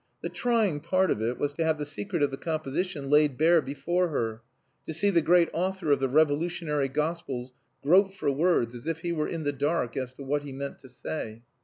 The trying part of it was to have the secret of the composition laid bare before her; to see the great author of the revolutionary gospels grope for words as if he were in the dark as to what he meant to say.